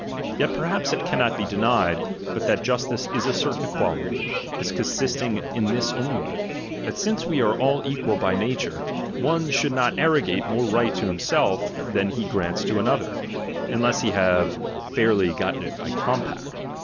Yet perhaps it cannot be denied but that justice is a certain equality, as consisting in this only ; that since we are all equal by nature, one should not arrogate more right to himself than he grants to another, unless he have fairly gotten it by compact.